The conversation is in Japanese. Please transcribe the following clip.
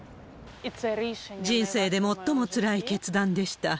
人生で最もつらい決断でした。